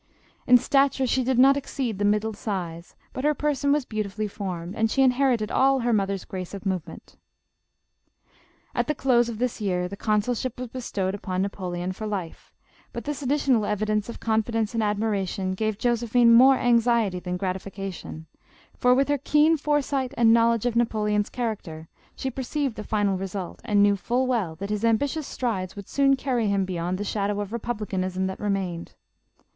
In stature she did not exceed the middle size; but her person was beautifully formed, and she inherited all her mother's grace of movement." At the close of this year the Consulship was bestow ed upon Napoleon for life, but this additional evidence of confidence and admiration gave Josephine more anx iety than gratification, for, with her keen foresight and knowledge of Napoleon's character, she perceived the final result, and knew full well that his ambitious strides would soon carry him beyond the shadow of Republi canism that remained.